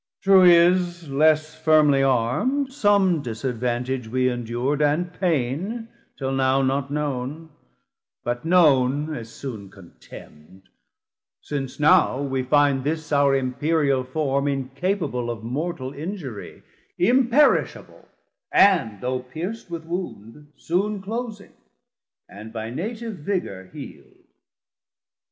True is, less firmly arm'd, 430 Some disadvantage we endur'd and paine, Till now not known, but known as soon contemnd, Since now we find this our Empyreal forme Incapable of mortal injurie Imperishable, and though peirc'd with wound, Soon closing, and by native vigour heal'd.